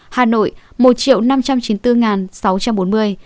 hà nội một năm trăm chín mươi bốn sáu trăm bốn mươi